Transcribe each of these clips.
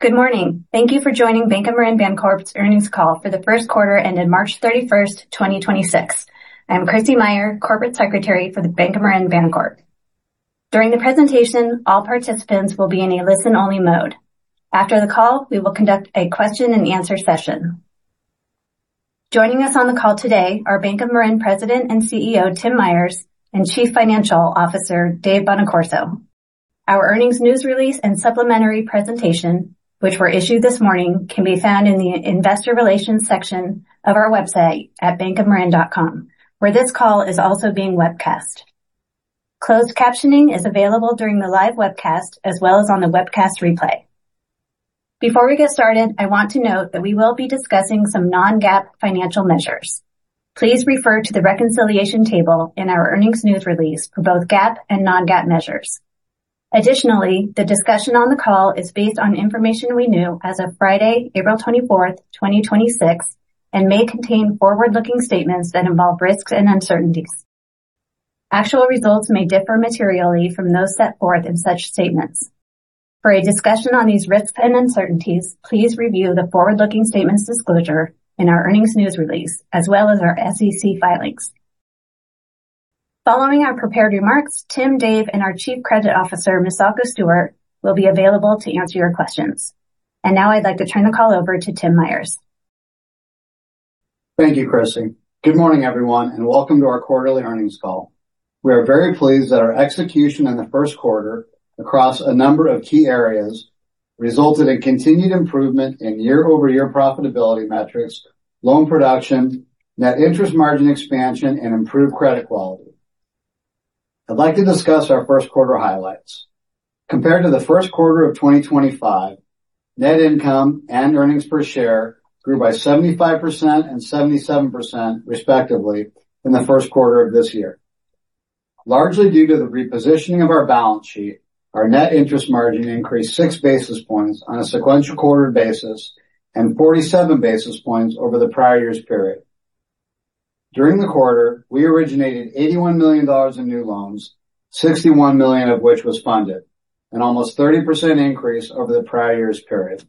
Good morning. Thank you for joining Bank of Marin Bancorp's earnings call for the first quarter ended March 31st, 2026. I'm Krissy Meyer, corporate secretary for the Bank of Marin Bancorp. During the presentation, all participants will be in a listen-only mode. After the call, we will conduct a question-and-answer session. Joining us on the call today are Bank of Marin President and CEO, Tim Myers, and Chief Financial Officer, Dave Bonaccorso. Our earnings news release and supplementary presentation, which were issued this morning, can be found in the investor relations section of our website at bankofmarin.com, where this call is also being webcast. Closed captioning is available during the live webcast as well as on the webcast replay. Before we get started, I want to note that we will be discussing some non-GAAP financial measures. Please refer to the reconciliation table in our earnings news release for both GAAP and non-GAAP measures. Additionally, the discussion on the call is based on information we knew as of Friday, April 24th, 2026 and may contain forward-looking statements that involve risks and uncertainties. Actual results may differ materially from those set forth in such statements. For a discussion on these risks and uncertainties, please review the forward-looking statements disclosure in our earnings news release as well as our SEC filings. Following our prepared remarks, Tim, Dave, and our Chief Credit Officer, Misako Stewart, will be available to answer your questions. Now I'd like to turn the call over to Tim Myers. Thank you, Krissy. Good morning, everyone, and welcome to our quarterly earnings call. We are very pleased that our execution in the first quarter across a number of key areas resulted in continued improvement in year-over-year profitability metrics, loan production, net interest margin expansion, and improved credit quality. I'd like to discuss our first quarter highlights. Compared to the first quarter of 2025, net income and earnings per share grew by 75% and 77% respectively in the first quarter of this year. Largely due to the repositioning of our balance sheet, our net interest margin increased 6 basis points on a sequential quarter basis and 47 basis points over the prior year's period. During the quarter, we originated $81 million in new loans, $61 million of which was funded, an almost 30% increase over the prior year's period.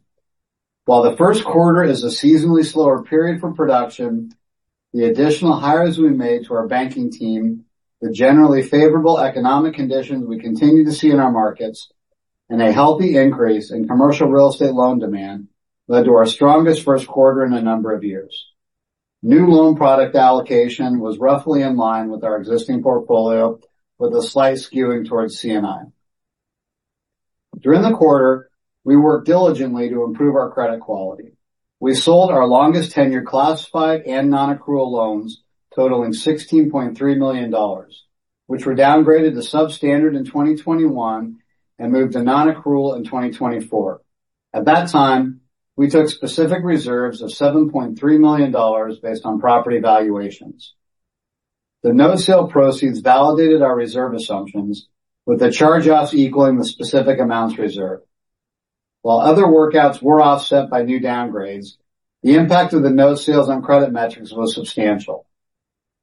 While the first quarter is a seasonally slower period for production, the additional hires we made to our banking team, the generally favorable economic conditions we continue to see in our markets, and a healthy increase in commercial real estate loan demand led to our strongest first quarter in a number of years. New loan product allocation was roughly in line with our existing portfolio with a slight skewing towards C&I. During the quarter, we worked diligently to improve our credit quality. We sold our longest tenure classified and non-accrual loans totaling $16.3 million, which were downgraded to substandard in 2021 and moved to non-accrual in 2024. At that time, we took specific reserves of $7.3 million based on property valuations. The note sale proceeds validated our reserve assumptions with the charge-offs equaling the specific amounts reserved. While other workouts were offset by new downgrades, the impact of the note sales on credit metrics was substantial.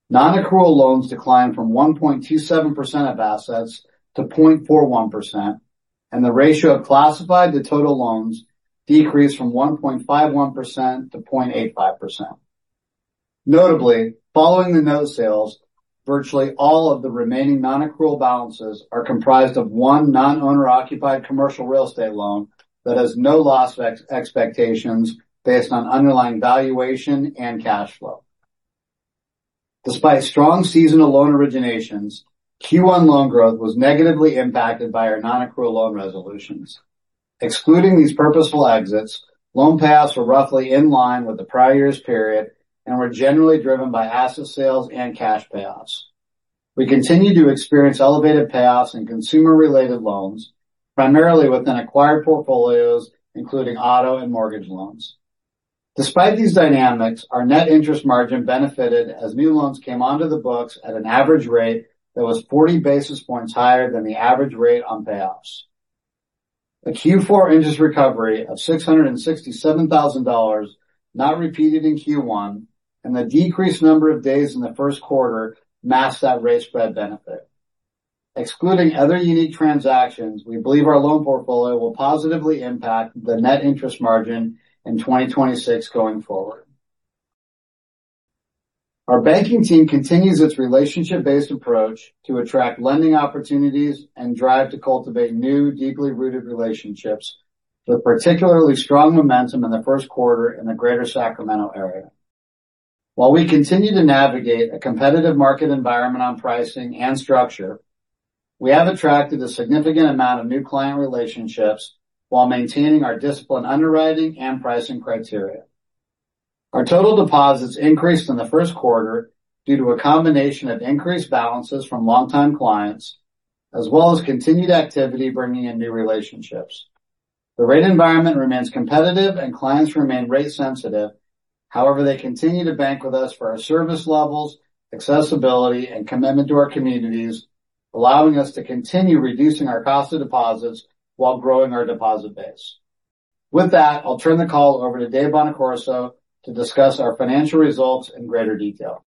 Non-accrual loans declined from 1.27% of assets to 0.41%, and the ratio of classified to total loans decreased from 1.51% to 0.85%. Notably, following the note sales, virtually all of the remaining non-accrual balances are comprised of one non-owner occupied commercial real estate loan that has no loss expectations based on underlying valuation and cash flow. Despite strong seasonal loan originations, Q1 loan growth was negatively impacted by our non-accrual loan resolutions. Excluding these purposeful exits, loan payoffs were roughly in line with the prior year's period and were generally driven by asset sales and cash payoffs. We continue to experience elevated payoffs in consumer-related loans, primarily within acquired portfolios, including auto and mortgage loans. Despite these dynamics, our net interest margin benefited as new loans came onto the books at an average rate that was 40 basis points higher than the average rate on payoffs. A Q4 interest recovery of $667,000 not repeated in Q1 and the decreased number of days in the first quarter matched that rate spread benefit. Excluding other unique transactions, we believe our loan portfolio will positively impact the net interest margin in 2026 going forward. Our banking team continues its relationship-based approach to attract lending opportunities and drive to cultivate new, deeply rooted relationships with particularly strong momentum in the first quarter in the Greater Sacramento area. While we continue to navigate a competitive market environment on pricing and structure, we have attracted a significant amount of new client relationships while maintaining our disciplined underwriting and pricing criteria. Our total deposits increased in the first quarter due to a combination of increased balances from longtime clients as well as continued activity bringing in new relationships. The rate environment remains competitive and clients remain rate sensitive. However, they continue to bank with us for our service levels, accessibility, and commitment to our communities, allowing us to continue reducing our cost of deposits while growing our deposit base. With that, I'll turn the call over to Dave Bonaccorso to discuss our financial results in greater detail.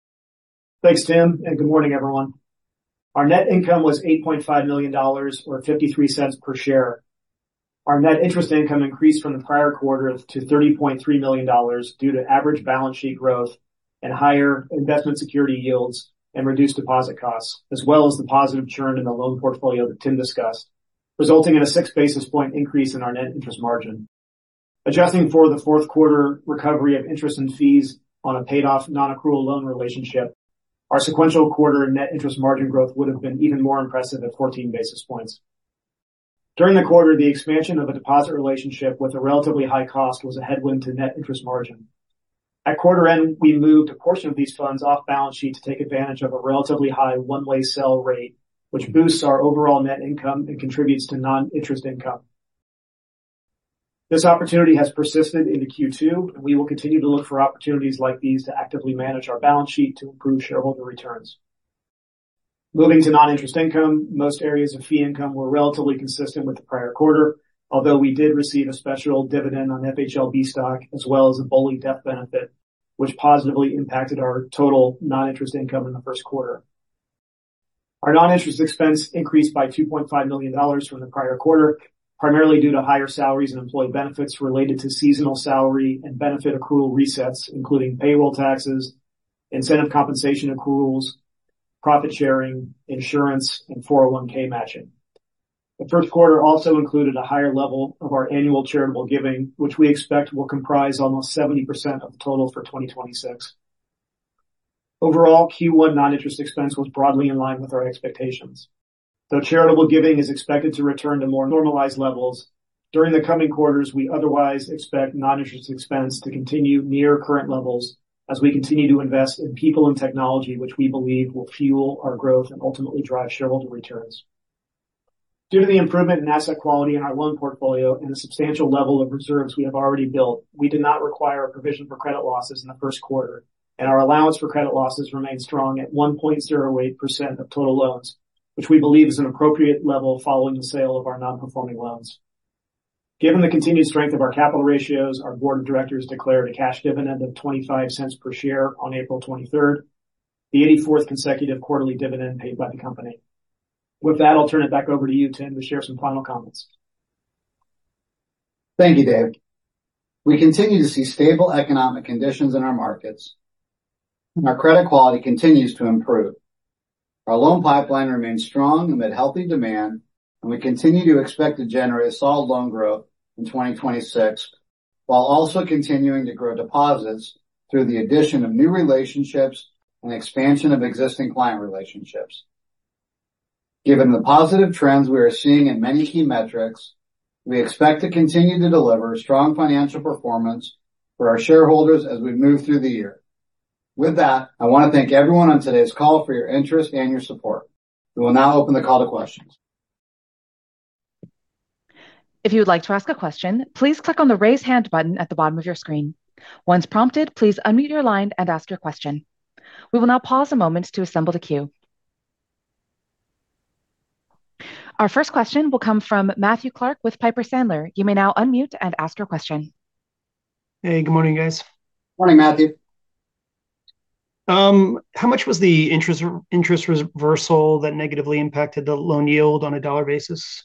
Thanks, Tim, and good morning, everyone. Our net income was $8.5 million or $0.53 per share. Our net interest income increased from the prior quarter to $30.3 million due to average balance sheet growth and higher investment security yields and reduced deposit costs, as well as the positive churn in the loan portfolio that Tim discussed, resulting in a 6 basis point increase in our net interest margin. Adjusting for the fourth quarter recovery of interest and fees on a paid off non-accrual loan relationship, our sequential quarter net interest margin growth would have been even more impressive at 14 basis points. During the quarter, the expansion of a deposit relationship with a relatively high cost was a headwind to net interest margin. At quarter end, we moved a portion of these funds off balance sheet to take advantage of a relatively high One-Way Sell rate, which boosts our overall net income and contributes to non-interest income. This opportunity has persisted into Q2. We will continue to look for opportunities like these to actively manage our balance sheet to improve shareholder returns. Moving to non-interest income, most areas of fee income were relatively consistent with the prior quarter. Although we did receive a special dividend on FHLB stock as well as a BOLI debt benefit, which positively impacted our total non-interest income in the first quarter. Our non-interest expense increased by $2.5 million from the prior quarter, primarily due to higher salaries and employee benefits related to seasonal salary and benefit accrual resets, including payroll taxes, incentive compensation accruals, profit sharing, insurance, and 401K matching. The first quarter also included a higher level of our annual charitable giving, which we expect will comprise almost 70% of the total for 2026. Overall, Q1 non-interest expense was broadly in line with our expectations. Though charitable giving is expected to return to more normalized levels, during the coming quarters, we otherwise expect non-interest expense to continue near current levels as we continue to invest in people and technology which we believe will fuel our growth and ultimately drive shareholder returns. Due to the improvement in asset quality in our loan portfolio and the substantial level of reserves we have already built, we did not require a provision for credit losses in the first quarter, and our allowance for credit losses remains strong at 1.08% of total loans, which we believe is an appropriate level following the sale of our non-performing loans. Given the continued strength of our capital ratios, our board of directors declared a cash dividend of $0.25 per share on April 23rd, the 84th consecutive quarterly dividend paid by the company. With that, I'll turn it back over to you, Tim, to share some final comments. Thank you, Dave. We continue to see stable economic conditions in our markets, and our credit quality continues to improve. Our loan pipeline remains strong amid healthy demand, and we continue to expect to generate solid loan growth in 2026, while also continuing to grow deposits through the addition of new relationships and expansion of existing client relationships. Given the positive trends we are seeing in many key metrics, we expect to continue to deliver strong financial performance for our shareholders as we move through the year. With that, I want to thank everyone on today's call for your interest and your support. We will now open the call to questions. If you'd like to ask a question please click on the Raise Hand button at the bottom of your screen. Once prompted, please unmute your line and ask your question. We will now pause a moment to assemble the queue. Our first question will come from Matthew Clark with Piper Sandler. Hey, good morning, guys. Morning, Matthew. How much was the interest reversal that negatively impacted the loan yield on a dollar basis?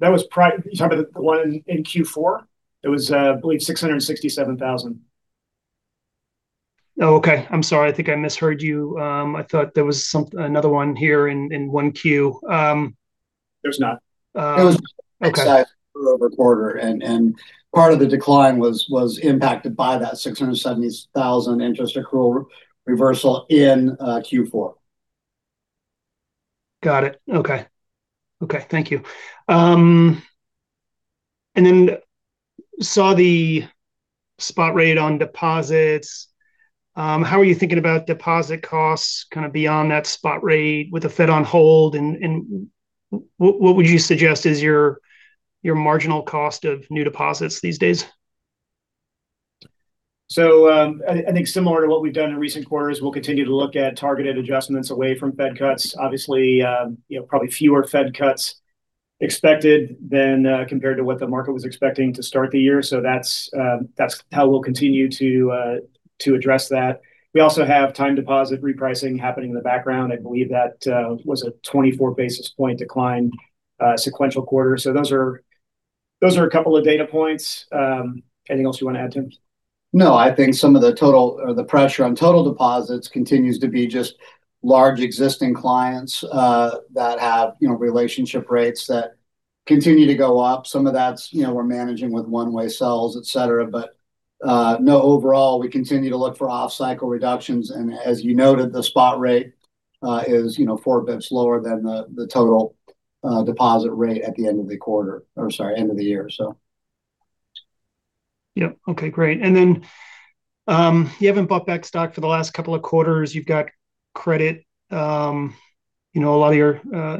That was you're talking about the one in Q4? It was I believe $667,000. Oh, okay. I'm sorry, I think I misheard you. I thought there was some-- another one here in 1Q. There's not. Okay. It was quarter-over-quarter and part of the decline was impacted by that $670,000 interest accrual reversal in Q4. Got it. Okay. Okay, thank you. I saw the spot rate on deposits. How are you thinking about deposit costs kind of beyond that spot rate with the Fed on hold and, what would you suggest is your marginal cost of new deposits these days? I think similar to what we've done in recent quarters, we'll continue to look at targeted adjustments away from Fed cuts. Obviously, you know, probably fewer Fed cuts expected than compared to what the market was expecting to start the year. That's how we'll continue to address that. We also have time deposit repricing happening in the background. I believe that was a 24 basis point decline sequential quarter. Those are a couple of data points. Anything else you wanna add, Tim? No, I think some of the total or the pressure on total deposits continues to be just large existing clients, that have, you know, relationship rates that continue to go up. Some of that's, you know, we're managing with One-Way Sells, et cetera. No, overall, we continue to look for off-cycle reductions. As you noted, the spot rate, is, you know, 4 bits lower than the total, deposit rate at the end of the quarter or, sorry, end of the year, so. Yeah. Okay, great. And then, you haven't bought back stock for the last couple of quarters. You've got credit, um, you know, a lot of your, uh,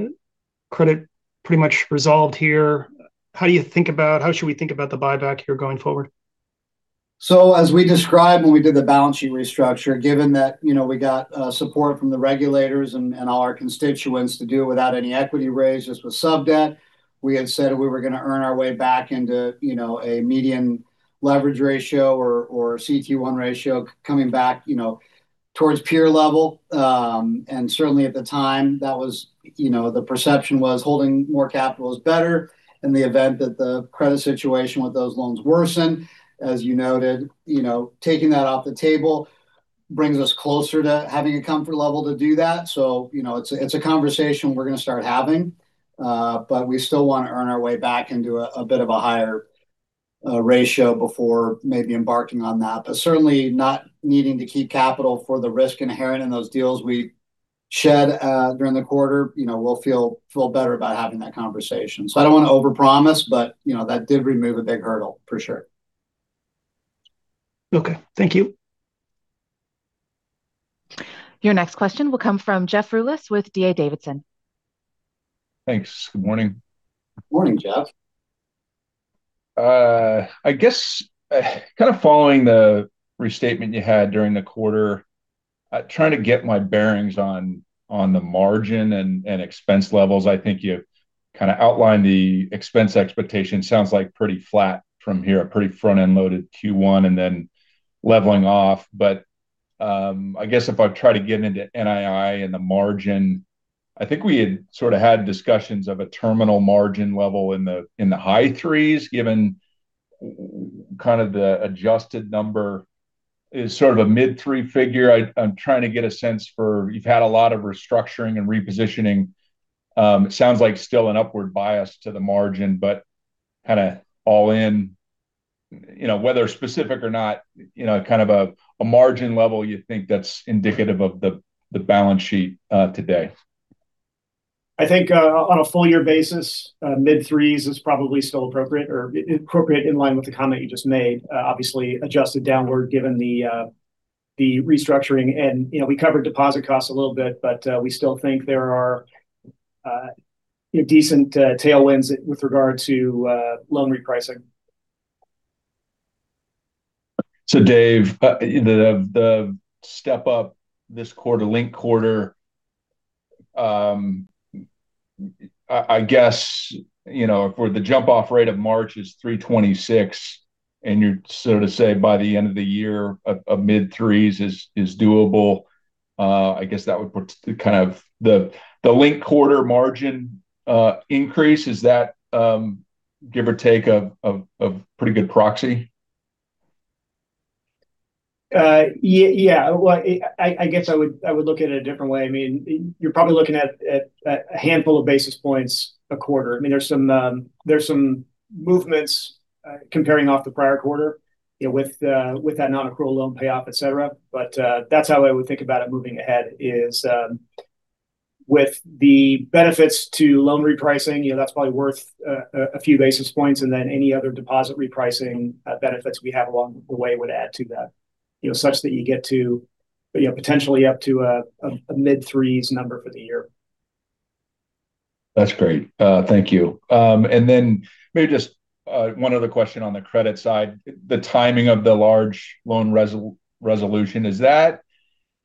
credit pretty much resolved here. How do you think about-- how should we think about the buyback here going forward? As we described when we did the balance sheet restructure, given that, you know, we got support from the regulators and all our constituents to do it without any equity raises with sub-debt. We had said we were gonna earn our way back into, you know, a median leverage ratio or CT1 ratio coming back, you know, towards peer level. Certainly at the time that was, you know, the perception was holding more capital is better in the event that the credit situation with those loans worsen. As you noted, you know, taking that off the table brings us closer to having a comfort level to do that. You know, it's a conversation we're gonna start having. We still wanna earn our way back into a bit of a higher ratio before maybe embarking on that. Certainly not needing to keep capital for the risk inherent in those deals we shed during the quarter. You know, we'll feel better about having that conversation. I don't wanna overpromise, but you know, that did remove a big hurdle for sure. Okay. Thank you. Your next question will come from Jeff Rulis with D.A. Davidson. Thanks. Good morning. Morning, Jeff. I guess, kind of following the restatement you had during the quarter, trying to get my bearings on the margin and expense levels. I think you kind of outlined the expense expectation. Sounds like pretty flat from here, a pretty front-end loaded Q1 and then leveling off. I guess if I try to get into NII and the margin, I think we had sort of had discussions of a terminal margin level in the high threes, given kind of the adjusted number is sort of a mid-three figure. I'm trying to get a sense for you've had a lot of restructuring and repositioning. It sounds like still an upward bias to the margin, but kind of all in, you know, whether specific or not, you know, kind of a margin level you think that's indicative of the balance sheet today. I think, on a full year basis, mid-3s is probably still appropriate or appropriate in line with the comment you just made. Obviously adjusted downward given the restructuring and, you know, we covered deposit costs a little bit, but we still think there are, you know, decent tailwinds with regard to loan repricing. Dave, the step up this quarter, linked quarter, I guess, you know, for the jump off rate of March is 3.26, and you're so to say by the end of the year a mid-3s is doable. I guess that would put kind of the linked quarter margin increase. Is that give or take a pretty good proxy? Yeah. Well, I guess I would look at it a different way. I mean, you're probably looking at a handful of basis points a quarter. I mean, there's some, there's some movements comparing off the prior quarter, you know, with that non-accrual loan payoff, et cetera. That's how I would think about it moving ahead is with the benefits to loan repricing, you know, that's probably worth a few basis points, and then any other deposit repricing benefits we have along the way would add to that. You know, such that you get to, you know, potentially up to a mid-threes number for the year. That's great. Thank you. Then maybe just one other question on the credit side. The timing of the large loan resolution, is that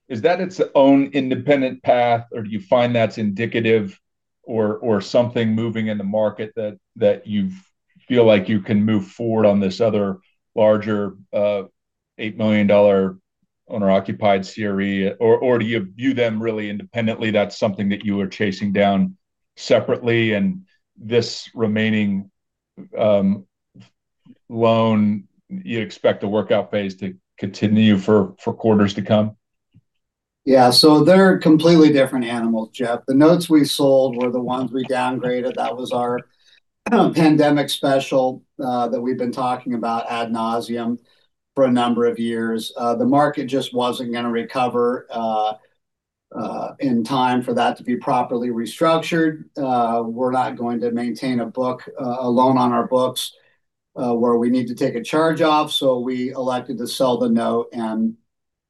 its own independent path, or do you find that's indicative or something moving in the market that you feel like you can move forward on this other larger, $8 million owner-occupied CRE? Do you view them really independently, that's something that you are chasing down separately and this remaining loan you expect a workout phase to continue for quarters to come? Yeah. So they're completely different animals, Jeff. The notes we sold were the ones we downgraded. That was our pandemic special, uh, that we've been talking about ad nauseam for a number of years. Uh, the market just wasn't gonna recover, uh, in time for that to be properly restructured. Uh, we're not going to maintain a book, a loan on our books, uh, where we need to take a charge off, so we elected to sell the note. And,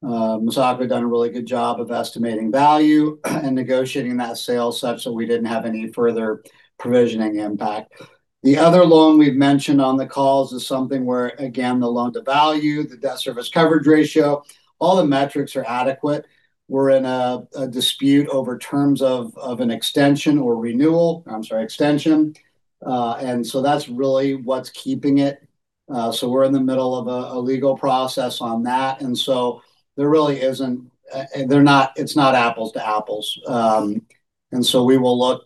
um, Misako done a really good job of estimating value and negotiating that sale such so we didn't have any further provisioning impact. The other loan we've mentioned on the calls is something where, again, the loan-to-value, the debt service coverage ratio, all the metrics are adequate. We're in a dispute over terms of an extension or renewal-- I'm sorry, extension. That's really what's keeping it. We're in the middle of a legal process on that, and it's not apples to apples. We will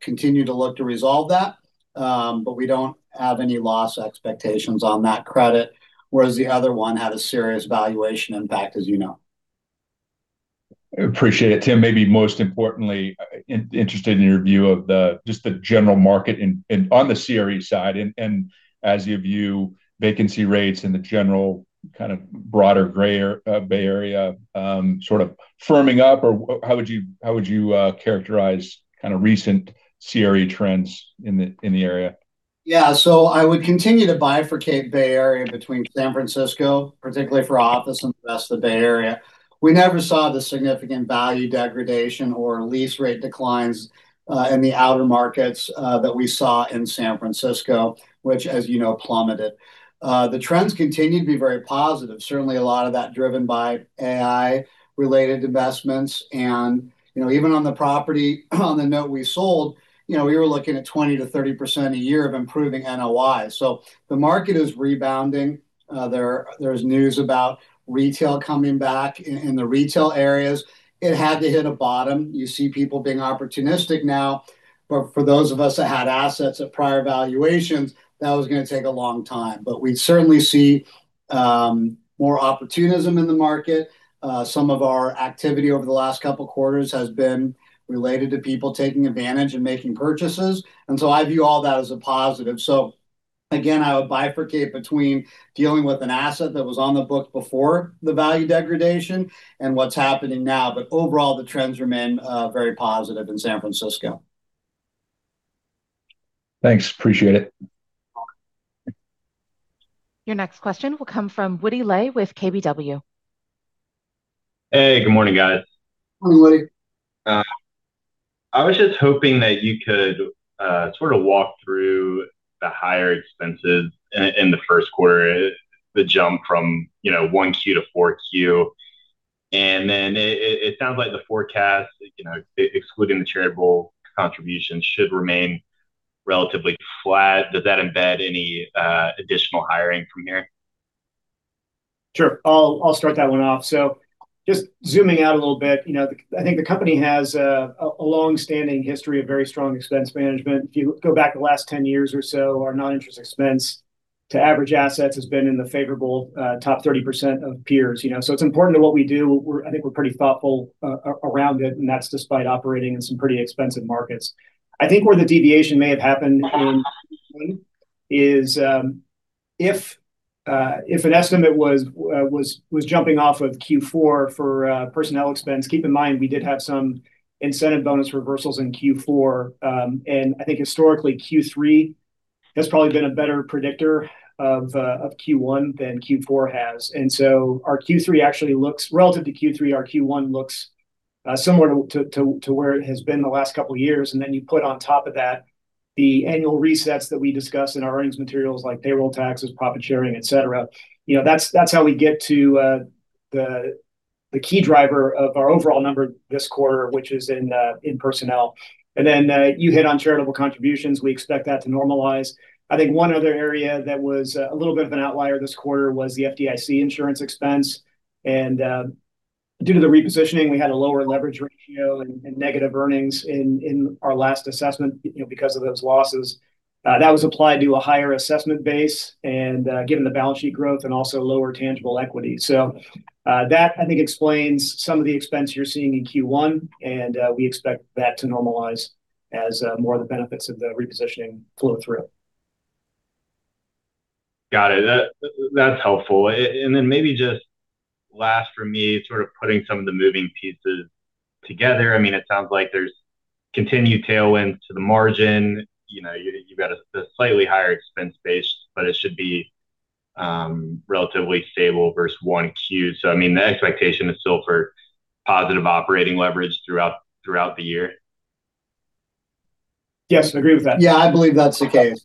continue to look to resolve that, but we don't have any loss expectations on that credit, whereas the other one had a serious valuation impact, as you know. Appreciate it. Tim, maybe most importantly, interested in your view of the just the general market in on the CRE side and, as you view vacancy rates and the general kind of broader Bay Area, sort of firming up or how would you characterize kind of recent CRE trends in the area? Yeah. I would continue to bifurcate Bay Area between San Francisco, particularly for office and the rest of the Bay Area. We never saw the significant value degradation or lease rate declines in the outer markets that we saw in San Francisco, which as you know, plummeted. The trends continue to be very positive, certainly a lot of that driven by AI-related investments and, you know, even on the note we sold, you know, we were looking at 20%-30% a year of improving NOI. The market is rebounding. There's news about retail coming back in the retail areas. It had to hit a bottom. You see people being opportunistic now. For those of us that had assets at prior valuations, that was gonna take a long time. We certainly see more opportunism in the market. Some of our activity over the last two quarters has been related to people taking advantage and making purchases. I view all that as a positive. Again, I would bifurcate between dealing with an asset that was on the book before the value degradation and what's happening now. Overall, the trends remain very positive in San Francisco. Thanks. Appreciate it. Your next question will come from Woody Lay with KBW. Hey, good morning, guys. Good morning, Woody. I was just hoping that you could sort of walk through the higher expenses in the first quarter, the jump from, you know, 1Q to 4Q. It sounds like the forecast, you know, excluding the charitable contributions, should remain relatively flat. Does that embed any additional hiring from here? I'll start that one off. Just zooming out a little bit, you know, I think the company has a longstanding history of very strong expense management. If you go back the last 10 years or so, our non-interest expense to average assets has been in the favorable, top 30% of peers, you know. It's important to what we do. I think we're pretty thoughtful around it, and that's despite operating in some pretty expensive markets. I think where the deviation may have happened in Q1 is, if an estimate was jumping off of Q4 for personnel expense, keep in mind, we did have some incentive bonus reversals in Q4. I think historically, Q3 has probably been a better predictor of Q1 than Q4 has. Our Q3 actually looks relative to Q3, our Q1 looks similar to where it has been the last couple years. You put on top of that the annual resets that we discussed in our earnings materials like payroll taxes, profit sharing, et cetera. You know, that's how we get to the key driver of our overall number this quarter, which is in personnel. You hit on charitable contributions. We expect that to normalize. I think one other area that was a little bit of an outlier this quarter was the FDIC insurance expense. Due to the repositioning, we had a lower leverage ratio and negative earnings in our last assessment, you know, because of those losses. That was applied to a higher assessment base and given the balance sheet growth and also lower tangible equity. That I think explains some of the expense you're seeing in Q1, and we expect that to normalize as more of the benefits of the repositioning flow through. Got it. That, that's helpful. Then maybe just last for me, sort of putting some of the moving pieces together. I mean, it sounds like there's continued tailwinds to the margin. You know, you've got a slightly higher expense base, but it should be relatively stable versus 1Q. I mean, the expectation is still for positive operating leverage throughout the year. Yes, I agree with that. Yeah, I believe that's the case.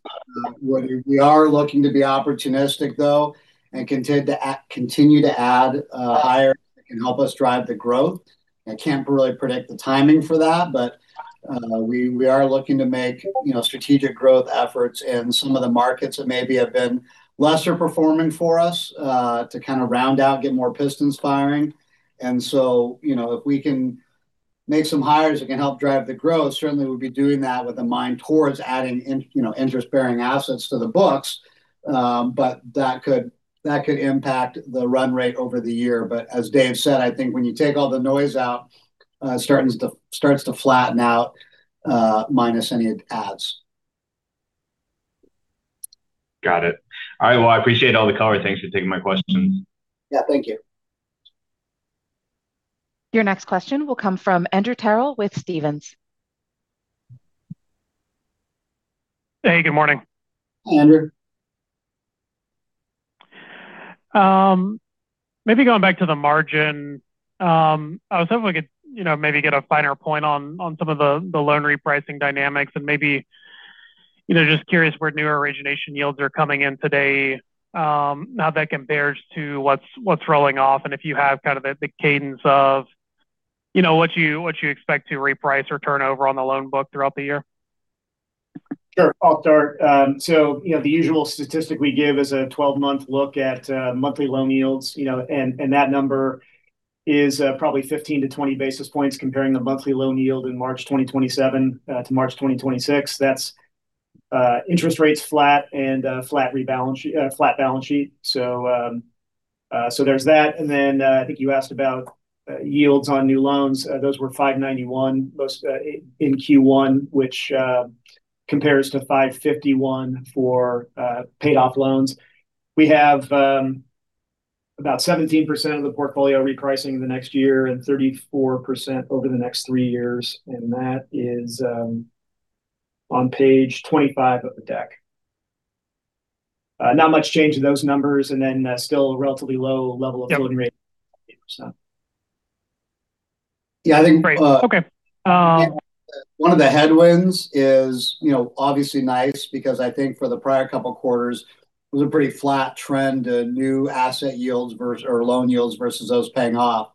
We are looking to be opportunistic though and continue to add hires that can help us drive the growth. I can't really predict the timing for that, we are looking to make, you know, strategic growth efforts in some of the markets that maybe have been lesser performing for us to kind of round out, get more pistons firing. So, you know, if we can make some hires that can help drive the growth, certainly we'll be doing that with a mind towards adding in, you know, interest-bearing assets to the books. That could impact the run rate over the year. As Dave said, I think when you take all the noise out, it starts to flatten out minus any adds. Got it. All right. Well, I appreciate all the color. Thanks for taking my questions. Yeah, thank you. Your next question will come from Andrew Terrell with Stephens. Hey, good morning. Hi, Andrew. maybe going back to the margin, I was hoping we could, you know, maybe get a finer point on some of the loan repricing dynamics and maybe, you know, just curious where new origination yields are coming in today, how that compares to what's rolling off. If you have kind of the cadence of, you know, what you, what you expect to reprice or turn over on the loan book throughout the year? Sure. I'll start. You know, the usual statistic we give is a 12-month look at monthly loan yields, you know, and that number is probably 15-20 basis points comparing the monthly loan yield in March 2027 to March 2026. That's interest rates flat and flat balance sheet. There's that. I think you asked about yields on new loans. Those were 591 most in Q1, which compares to 551 for paid off loans. We have about 17% of the portfolio repricing in the next year and 34% over the next three years, and that is on page 25 of the deck. Not much change in those numbers, still a relatively low level of floating rate- Yep... 8%. Yeah, I think, uh- Great. Okay. One of the headwinds is, you know, obviously nice because I think for the prior couple quarters it was a pretty flat trend to new asset yields or loan yields versus those paying off.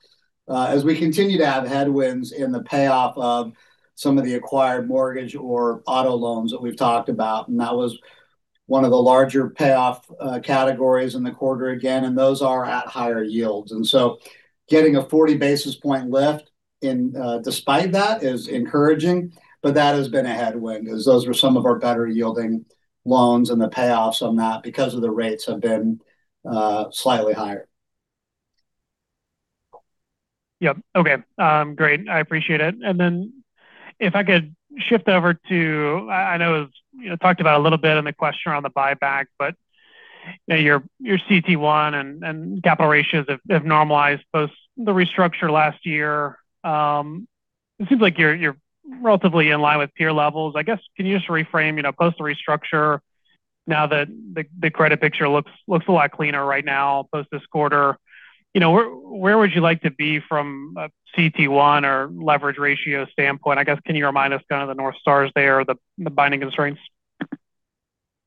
As we continue to have headwinds in the payoff of some of the acquired mortgage or auto loans that we've talked about, and that was one of the larger payoff categories in the quarter again, and those are at higher yields. Getting a 40 basis point lift and despite that is encouraging, but that has been a headwind as those were some of our better yielding loans and the payoffs on that because of the rates have been slightly higher. Yep. Okay. great. I appreciate it. Then if I could shift over I know it was, you know, talked about a little bit in the question around the buyback, but, you know, your CT1 and GAAP ratios have normalized post the restructure last year. it seems like you're relatively in line with peer levels. I guess can you just reframe, you know, post the restructure now that the credit picture looks a lot cleaner right now post this quarter. You know, where would you like to be from a CT1 or leverage ratio standpoint? I guess can you remind us kind of the North Stars there, the binding constraints?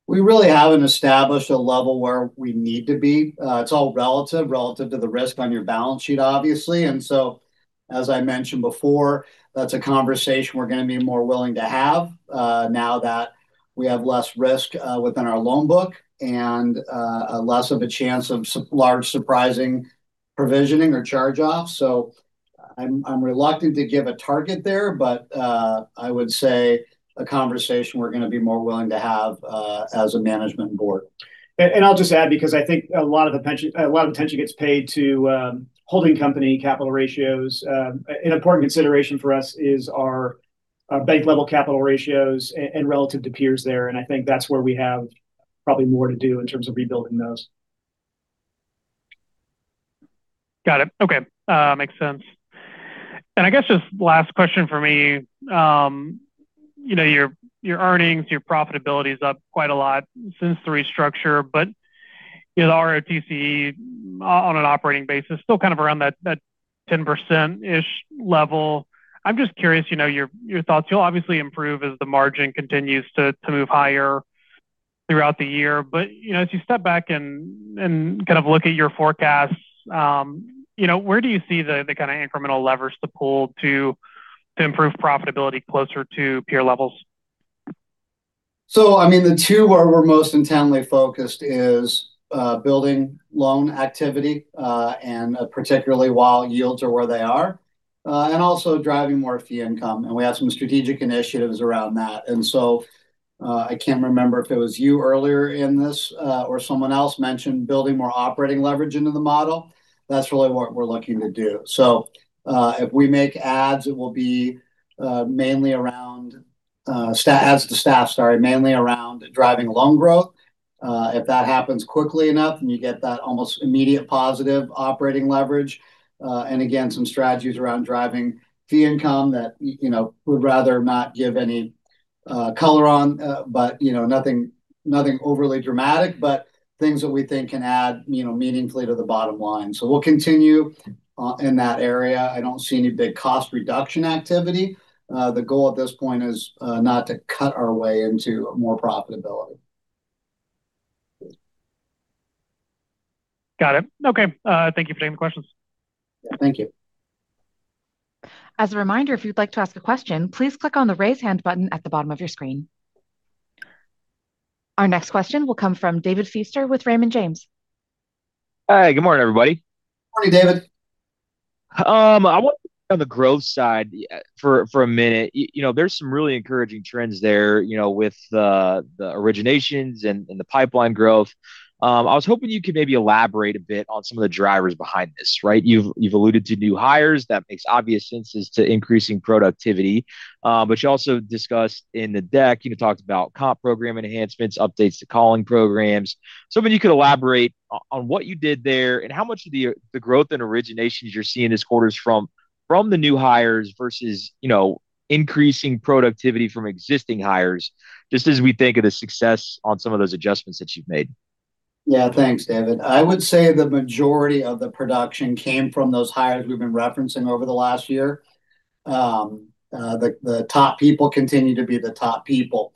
We really haven't established a level where we need to be. It's all relative to the risk on your balance sheet, obviously. As I mentioned before, that's a conversation we're gonna be more willing to have now that we have less risk within our loan book and less of a chance of large surprising provisioning or charge-offs. I'm reluctant to give a target there, but I would say a conversation we're gonna be more willing to have as a management board. I'll just add because I think a lot of attention gets paid to holding company capital ratios. An important consideration for us is our bank level capital ratios and relative to peers there, and I think that's where we have probably more to do in terms of rebuilding those. Got it. Okay. makes sense. I guess just last question from me, you know, your earnings, your profitability is up quite a lot since the restructure, but, you know, ROTCE on an operating basis still kind of around that 10%-ish level. I'm just curious, you know, your thoughts. You'll obviously improve as the margin continues to move higher throughout the year. you know, as you step back and kind of look at your forecasts, you know, where do you see the kind of incremental levers to pull to improve profitability closer to peer levels? I mean, the two where we're most intently focused is building loan activity, and particularly while yields are where they are, and also driving more fee income, and we have some strategic initiatives around that. I can't remember if it was you earlier in this, or someone else mentioned building more operating leverage into the model. That's really what we're looking to do. If we make adds, it will be mainly around driving loan growth. If that happens quickly enough, then you get that almost immediate positive operating leverage. And again, some strategies around driving fee income that you know, would rather not give any color on. You know, nothing overly dramatic, but things that we think can add, you know, meaningfully to the bottom line. We'll continue in that area. I don't see any big cost reduction activity. The goal at this point is not to cut our way into more profitability. Got it. Okay. Thank you for taking the questions. Thank you. As a reminder, if you'd like to ask a question, please click on the Raise Hand button at the bottom of your screen. Our next question will come from David Feaster with Raymond James. Hi, good morning, everybody. Morning, David. I want to on the growth side for a minute. you know, there's some really encouraging trends there, you know, with the originations and the pipeline growth. I was hoping you could maybe elaborate a bit on some of the drivers behind this, right? You've alluded to new hires that makes obvious sense as to increasing productivity. You also discussed in the deck, you know, talked about comp program enhancements, updates to calling programs. maybe you could elaborate on what you did there and how much of the growth in originations you're seeing this quarter is from the new hires versus, you know, increasing productivity from existing hires, just as we think of the success on some of those adjustments that you've made. Yeah. Thanks, David. I would say the majority of the production came from those hires we've been referencing over the last year. The top people continue to be the top people.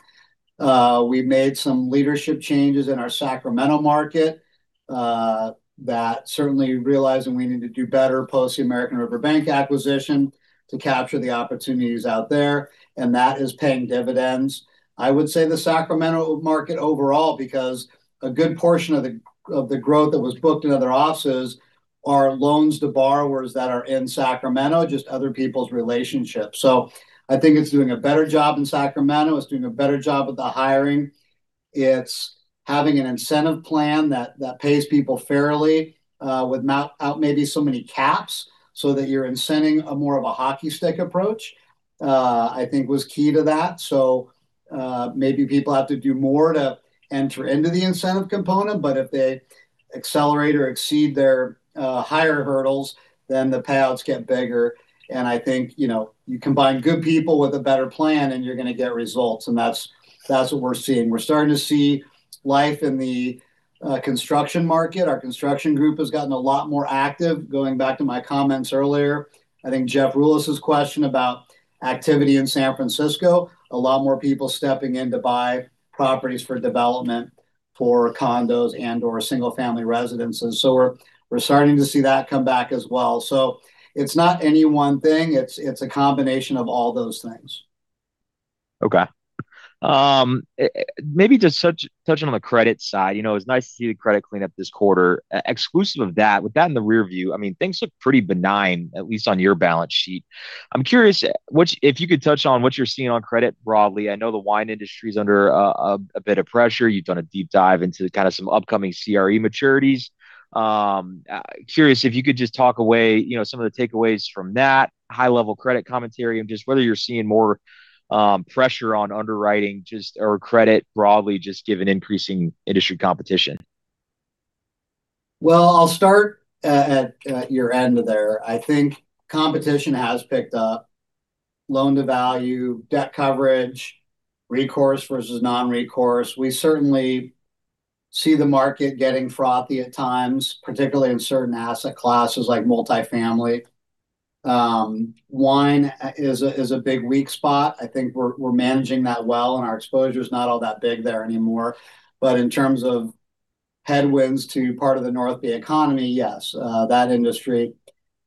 We made some leadership changes in our Sacramento market that certainly realizing we need to do better post the American River Bank acquisition to capture the opportunities out there, and that is paying dividends. I would say the Sacramento market overall, because a good portion of the growth that was booked in other offices are loans to borrowers that are in Sacramento, just other people's relationships. I think it's doing a better job in Sacramento. It's doing a better job with the hiring. It's having an incentive plan that pays people fairly, without maybe so many caps so that you're incenting more of a hockey stick approach, I think was key to that. Maybe people have to do more to enter into the incentive component, but if they accelerate or exceed their higher hurdles, then the payouts get bigger. I think, you know, you combine good people with a better plan, and you're gonna get results, and that's what we're seeing. We're starting to see life in the construction market. Our construction group has gotten a lot more active. Going back to my comments earlier, I think Jeff Rulis' question about activity in San Francisco, a lot more people stepping in to buy properties for development for condos and/or single-family residences. We're starting to see that come back as well. It's not any one thing. It's a combination of all those things. Okay. Maybe just touching on the credit side. You know, it was nice to see the credit clean up this quarter. Exclusive of that, with that in the rear view, I mean, things look pretty benign, at least on your balance sheet. I'm curious if you could touch on what you're seeing on credit broadly. I know the wine industry's under a bit of pressure. You've done a deep dive into kind of some upcoming CRE maturities. Curious if you could just talk away, you know, some of the takeaways from that high-level credit commentary, and just whether you're seeing more pressure on underwriting or credit broadly, just given increasing industry competition. I'll start at your end there. I think competition has picked up, loan-to-value, debt coverage, recourse versus non-recourse. We certainly see the market getting frothy at times, particularly in certain asset classes like multifamily. Wine is a big weak spot. I think we're managing that well, and our exposure's not all that big there anymore. In terms of headwinds to part of the North Bay economy, yes, that industry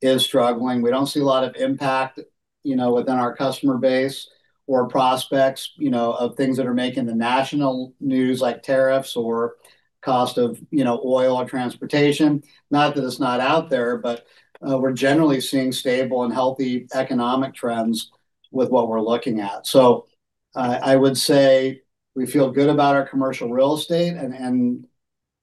is struggling. We don't see a lot of impact, you know, within our customer base or prospects, you know, of things that are making the national news, like tariffs or cost of, you know, oil or transportation. Not that it's not out there, but we're generally seeing stable and healthy economic trends with what we're looking at. I would say we feel good about our commercial real estate and,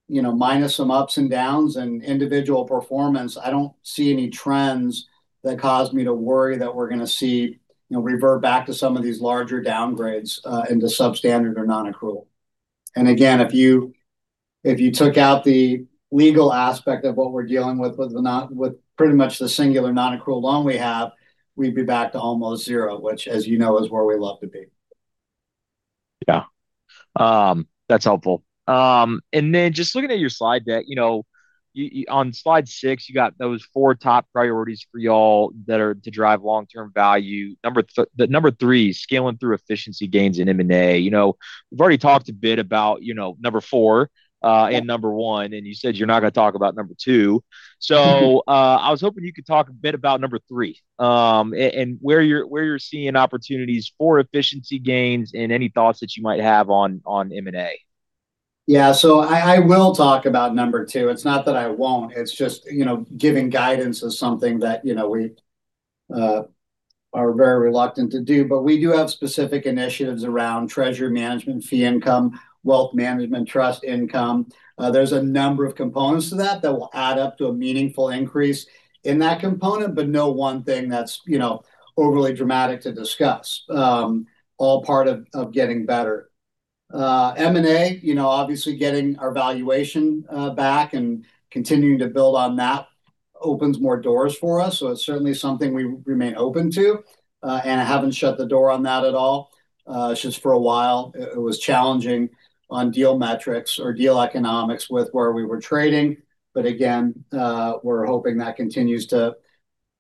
you know, minus some ups and downs in individual performance, I don't see any trends that cause me to worry that we're gonna see, you know, revert back to some of these larger downgrades into substandard or nonaccrual. Again, if you took out the legal aspect of what we're dealing with pretty much the singular nonaccrual loan we have, we'd be back to almost zero, which as you know is where we love to be. Yeah, that's helpful. Just looking at your slide deck, you know, on slide six you got those four top priorities for y'all that are to drive long-term value. Number three, scaling through efficiency gains in M&A. You know, we've already talked a bit about, you know, number four and number one, and you said you're not gonna talk about number two. I was hoping you could talk a bit about number three, and where you're seeing opportunities for efficiency gains and any thoughts that you might have on M&A. Yeah. I will talk about number two. It's not that I won't. It's just, you know, giving guidance is something that, you know, we are very reluctant to do. We do have specific initiatives around Treasury management, fee income, wealth management, trust income. There's a number of components to that that will add up to a meaningful increase in that component, but no one thing that's, you know, overly dramatic to discuss. All part of getting better. M&A, you know, obviously getting our valuation back and continuing to build on that opens more doors for us, so it's certainly something we remain open to. I haven't shut the door on that at all. It's just for a while, it was challenging on deal metrics or deal economics with where we were trading. We're hoping that continues to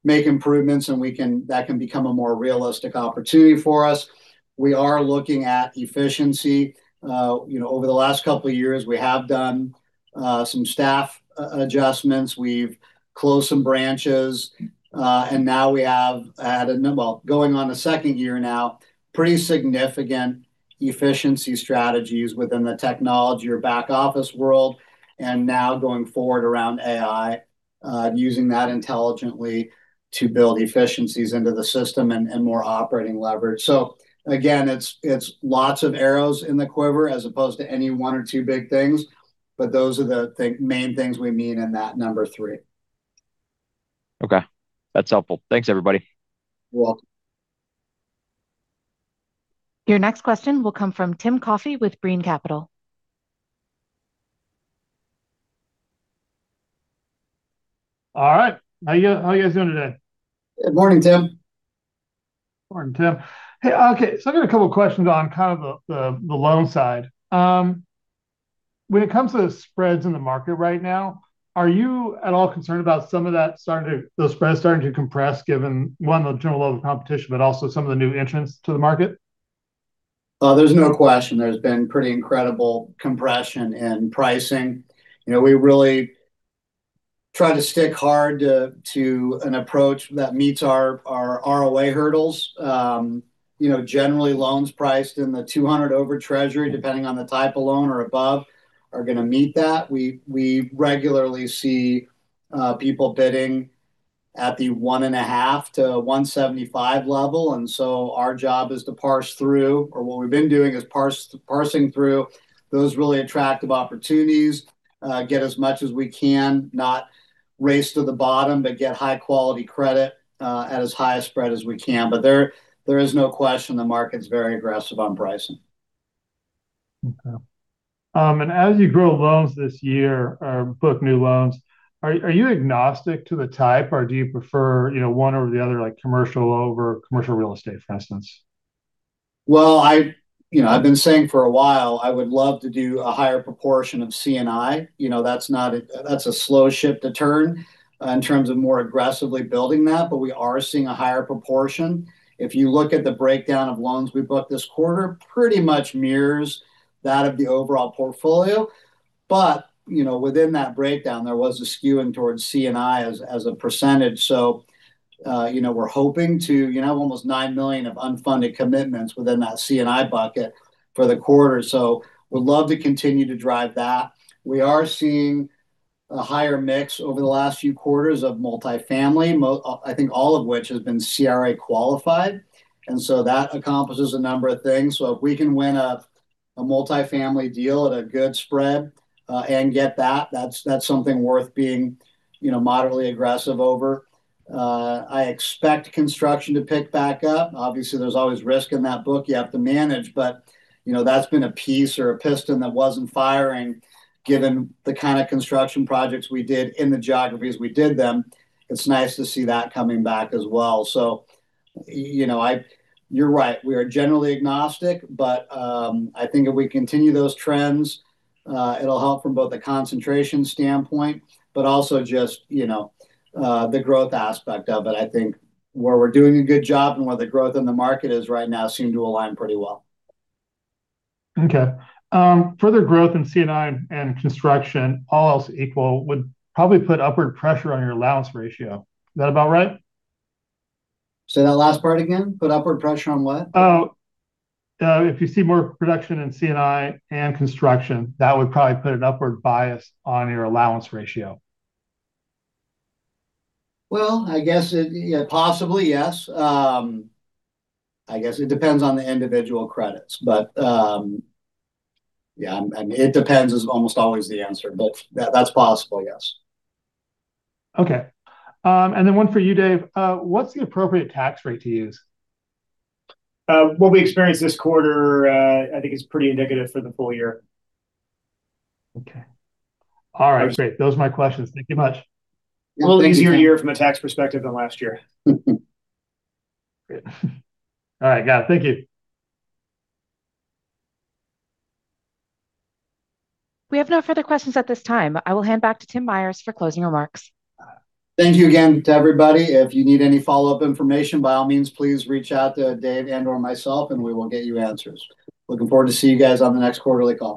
make improvements and that can become a more realistic opportunity for us. We are looking at efficiency. Over the last couple of years, we have done some staff adjustments. We've closed some branches. Now we have added, going on the second year now, pretty significant efficiency strategies within the technology or back office world, and now going forward around AI, using that intelligently to build efficiencies into the system and more operating leverage. It's lots of arrows in the quiver as opposed to any one or two big things, but those are the main things we mean in that number three. Okay. That's helpful. Thanks, everybody. You're welcome. Your next question will come from Tim Coffey with Brean Capital. All right. How you guys doing today? Good morning, Tim. Morning, Tim. Hey, I got a couple of questions on the loan side. When it comes to the spreads in the market right now, are you at all concerned about some of that starting to compress given, one, the general level of competition, but also some of the new entrants to the market? There's no question there's been pretty incredible compression in pricing. You know, we really try to stick hard to an approach that meets our ROA hurdles. You know, generally, loans priced in the 200 over Treasury, depending on the type of loan or above, are gonna meet that. We regularly see people bidding at the 150-175 level, and our job is to parse through those really attractive opportunities, get as much as we can, not race to the bottom, but get high-quality credit at as high a spread as we can. There is no question the market's very aggressive on pricing. Okay. As you grow loans this year or book new loans, are you agnostic to the type, or do you prefer, you know, one over the other, like commercial over commercial real estate, for instance? Well, I, you know, I've been saying for a while I would love to do a higher proportion of C&I. That's not a slow ship to turn in terms of more aggressively building that, but we are seeing a higher proportion. If you look at the breakdown of loans we booked this quarter, it pretty much mirrors that of the overall portfolio. Within that breakdown there was a skewing towards C&I as a percentage. We are hoping to almost $9 million of unfunded commitments within that C&I bucket for the quarter. Would love to continue to drive that. We are seeing a higher mix over the last few quarters of multifamily, I think all of which has been CRA qualified. That accomplishes a number of things. If we can win a multifamily deal at a good spread and get that's something worth being moderately aggressive over. I expect construction to pick back up. Obviously, there's always risk in that book you have to manage, but that's been a piece or a piston that wasn't firing given the kind of construction projects we did in the geographies we did them. It's nice to see that coming back as well. You're right, we are generally agnostic, but I think if we continue those trends, it'll help from both the concentration standpoint, but also just the growth aspect of it. I think where we're doing a good job and where the growth in the market is right now seem to align pretty well. Okay. Further growth in C&I and construction, all else equal, would probably put upward pressure on your allowance ratio. Is that about right? Say that last part again. Put upward pressure on what? If you see more production in C&I and construction, that would probably put an upward bias on your allowance ratio. Well, I guess it, yeah, possibly, yes. I guess it depends on the individual credits. I mean, it depends is almost always the answer. That is possible, yes. Okay. What's the appropriate tax rate to use? What we experienced this quarter, I think is pretty indicative for the full year. Okay. All right. That was- Great. Those are my questions. Thank you much. A little easier year from a tax perspective than last year. Great. All right, got it. Thank you. We have no further questions at this time. I will hand back to Tim Myers for closing remarks. Thank you again to everybody. If you need any follow-up information, by all means, please reach out to Dave and/or myself, and we will get you answers. Looking forward to see you guys on the next quarterly call.